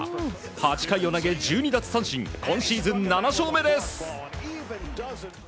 ８回を投げ１２奪三振今シーズン７勝目です。